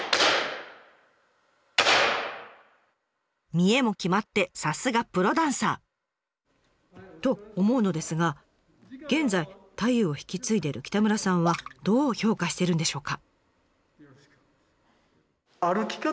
・見得も決まってさすがプロダンサー！と思うのですが現在太夫を引き継いでいる北村さんはどう評価してるんでしょうか？